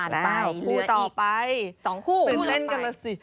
แล้วผู้ต่อไป๒คู่ตื่นเต้นกันแล้วสิ